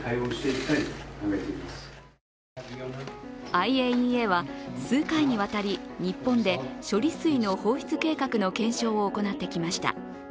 ＩＡＥＡは数回にわたり、日本で処理水の放出計画の検証を行ってきました。